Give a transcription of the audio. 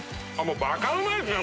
バカうまいっすね